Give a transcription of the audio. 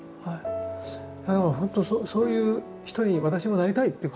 でもほんと「そういう人に私もなりたい」っていう。